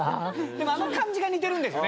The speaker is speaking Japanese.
でもあの感じが似てるんですよ。